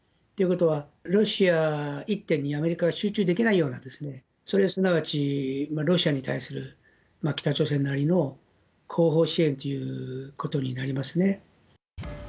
ということは、ロシア一手にアメリカは集中できないような、それすなわち、ロシアに対する北朝鮮なりの後方支援ということになりますね。